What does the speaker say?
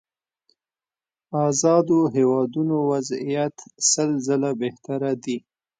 ازادو هېوادونو وضعيت سل ځله بهتره دي.